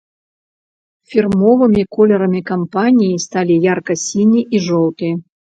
Фірмовымі колерамі кампаніі сталі ярка-сіні і жоўты.